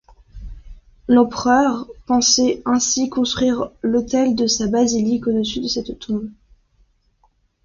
L'empereur pensait ainsi construire l'autel de sa basilique au-dessus de cette tombe.